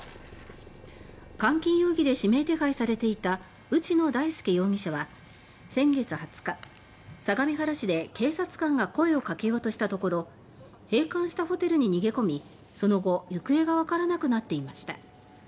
監禁容疑で指名手配されていた内野大輔容疑者は先月２０日、相模原市で警察官が声をかけようとしたところ閉館したホテルに逃げ込みその後、行方がわからなくなっていました。